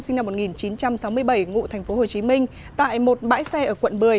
sinh năm một nghìn chín trăm sáu mươi bảy ngụ tp hcm tại một bãi xe ở quận một mươi